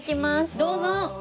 どうぞ！